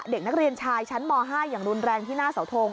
เด็กนักเรียนชายชั้นม๕อย่างรุนแรงที่หน้าเสาทง